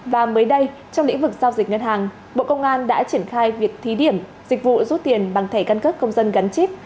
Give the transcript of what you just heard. và mới đây trong lĩnh vực giao dịch ngân hàng bộ công an đã triển khai việc thí điểm dịch vụ rút tiền bằng thẻ căn cước công dân gắn chip